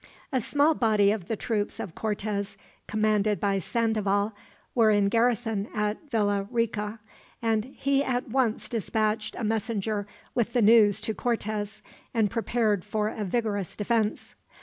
A small body of the troops of Cortez, commanded by Sandoval, were in garrison at Villa Rica; and he at once dispatched a messenger with the news to Cortez, and prepared for a vigorous defense.